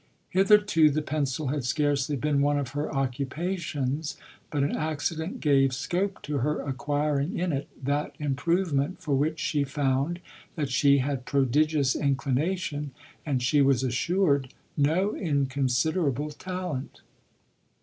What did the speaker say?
Hitherto the pencil had scarcely been one of Ik r occupations; but an accident gave scope to her acquiring in it that improvement for which she found that she had prodigious inclination, and she was assured, no inconsiderable talent.